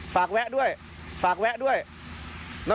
ฝากแวะด้วยน่อเบลวน่ะ